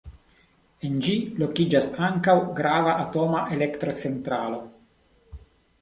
En ĝi lokiĝas ankaŭ grava atoma elektrocentralo.